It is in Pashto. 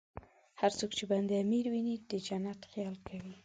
هر څوک چې بند امیر ویني، د جنت خیال کوي.